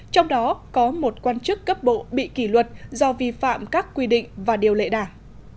trong đó có một quan chức cấp bộ bị kỷ luật do vi phạm các quy định và điều lệ đảng